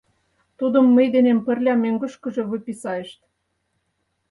Тудым мый денем пырля мӧҥгышкыжӧ выписайышт.